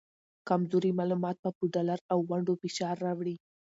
کمزوري معلومات به په ډالر او ونډو فشار راوړي